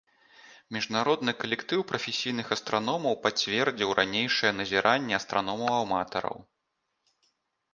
Міжнародны калектыў прафесійных астраномаў пацвердзіў ранейшае назіранне астраномаў-аматараў.